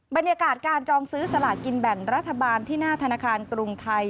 บรรยากาศการจองซื้อสลากินแบ่งรัฐบาลที่หน้าธนาคารกรุงไทย